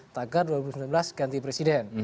tagar dua ribu sembilan belas ganti presiden